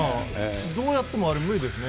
どうやってもあれ無理ですね。